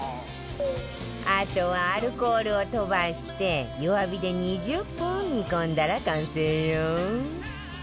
あとはアルコールを飛ばして弱火で２０分煮込んだら完成よ